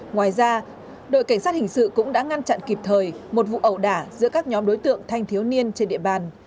ngoài ra đội cảnh sát hình sự cũng đã ngăn chặn kịp thời một vụ ẩu đả giữa các nhóm đối tượng thanh thiếu niên trên địa bàn